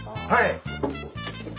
はい。